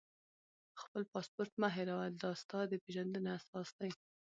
خپل پاسپورټ مه هېروه، دا ستا د پېژندنې اساس دی.